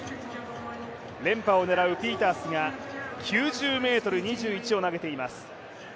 連覇を狙うピータースが９０ｍ２１を投げています。